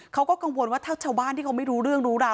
เขาก็กังวลว่าถ้าชาวบ้านที่เขาไม่รู้เรื่องรู้ราว